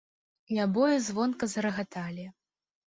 І абое звонка зарагаталі.